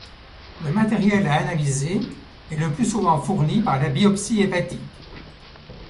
Le matériel à analyser est le plus souvent fourni par la biopsie hépatique.